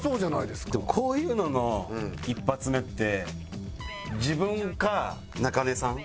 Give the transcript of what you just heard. でもこういうのの１発目って自分か中根さんですよね。